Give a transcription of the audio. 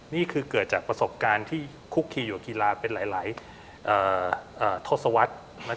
นี่คือเกิดจากประสบการณ์ที่คุกคีอยู่กับกีฬาเป็นหลายทศวรรษ